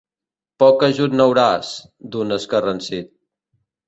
Poc ajut n'hauràs, d'un escarransit.